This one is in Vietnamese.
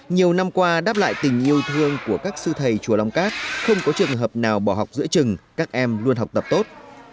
nhiều năm qua đáp lại tình yêu thương của các sư thầy chùa long cát không có trường hợp nào bỏ học giữa trường các em luôn học tập tốt